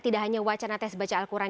tidak hanya wacana tes baca al quran